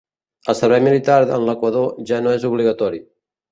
El Servei Militar en l'Equador ja no és obligatori.